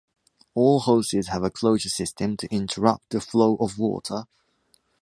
All hoses have a closure system to interrupt the flow of water.